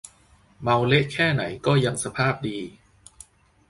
เมาเละแค่ไหนก็ยังสภาพดี